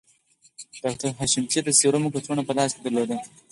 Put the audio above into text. ډاکټر حشمتي د سيرومو کڅوړه په لاس کې درلوده